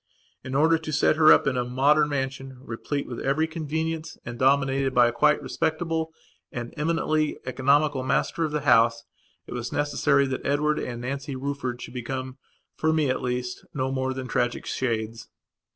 In order to set her up in a modern mansion, replete with every convenience and dominated by a quite respectable and eminently economical master of the house, it was necessary that Edward and Nancy Rufford should become, for me at least, no more than tragic shades.